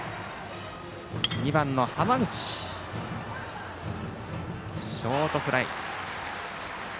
２番の浜口ショートフライ。